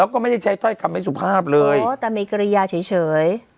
ก็ไม่ใช่ใช้ต้อยคำให้สุภาพเลยโอ้แต่เมกรียาเฉยเฉย